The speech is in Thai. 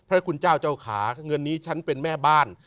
พระคุณเจ้าเจ้าขาเงินนี้ฉันเป็นแม่บ้าน